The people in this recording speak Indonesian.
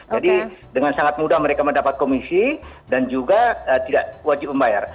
jadi dengan sangat mudah mereka mendapat komisi dan juga tidak wajib membayar